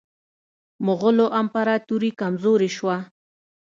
مغولو امپراطوري کمزورې شوه.